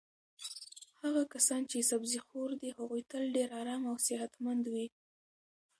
هغه کسان چې سبزي خور دي هغوی تل ډېر ارام او صحتمند وي.